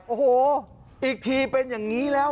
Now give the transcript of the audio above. โอ้โหอีกทีเป็นอย่างนี้แล้ว